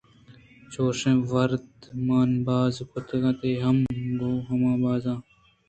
چوشیں ودار من بازیں کُتگءُاے ہم گوں ہمابازیناں